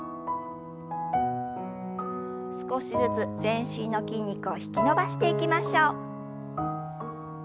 少しずつ全身の筋肉を引き伸ばしていきましょう。